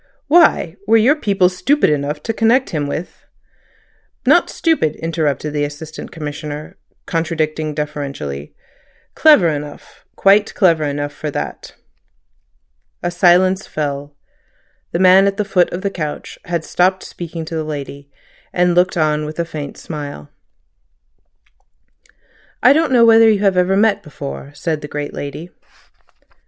"Why? Were your people stupid enough to connect him with—" "Not stupid," interrupted the Assistant Commissioner, contradicting deferentially. "Clever enough—quite clever enough for that." A silence fell. The man at the foot of the couch had stopped speaking to the lady, and looked on with a faint smile. "I don't know whether you ever met before," said the great lady.